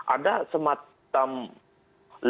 ada semacam logika politik yang semakin banyak